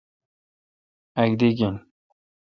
اک دی گین۔